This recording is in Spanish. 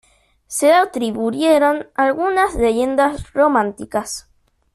Se le atribuyeron algunas leyendas románticas.